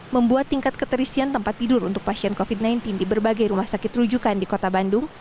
membuat tingkat keterisian tempat tidur untuk pasien covid sembilan belas di berbagai rumah sakit rujukan di kota bandung